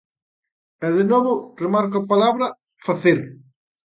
E de novo remarco a palabra "facer".